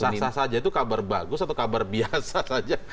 sah sah saja itu kabar bagus atau kabar biasa saja